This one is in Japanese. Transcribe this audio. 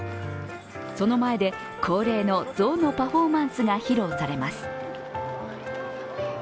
その前で恒例の象のパフォーマンスが披露されます。